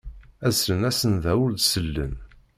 Ad d-slen asenda ur d-sellen.